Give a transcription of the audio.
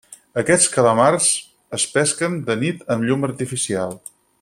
Aquests calamars es pesquen de nit amb llum artificial.